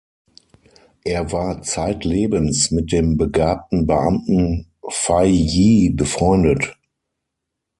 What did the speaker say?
Er war zeitlebens mit dem begabten Beamten Fei Yi befreundet.